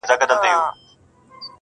وایې خدای دې کړي خراب چي هرچا وړﺉ,